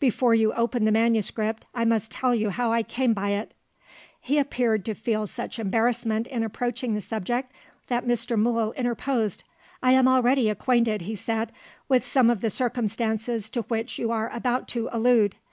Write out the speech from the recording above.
Before you open the manuscript I must tell you how I came by it." He appeared to feel such embarrassment in approaching the subject, that Mr. Mool interposed. "I am already acquainted," he said, "with some of the circumstances to which you are about to allude.